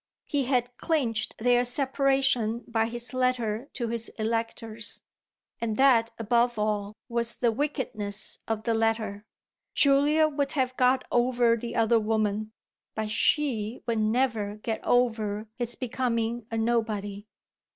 He had clinched their separation by his letter to his electors and that above all was the wickedness of the letter. Julia would have got over the other woman, but she would never get over his becoming a nobody.